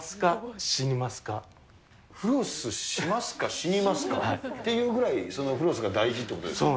フロスしますか、死にますかっていうぐらいフロスが大事っていうことですね。